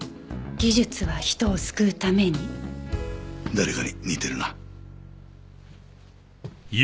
誰かに似てるな。